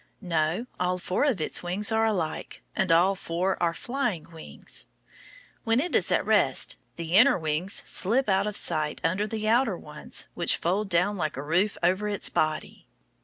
No, all four of its wings are alike, and all four are flying wings. When it is at rest, the inner wings slip out of sight under the outer ones, which fold down like a roof over its body.